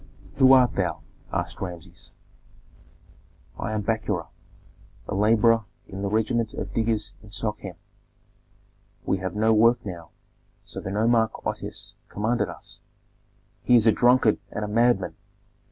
"Who art thou?" asked Rameses. "I am Bakura, a laborer in the regiment of diggers in Sochem. We have no work now, so the nomarch Otoes commanded us " "He is a drunkard and a madman!"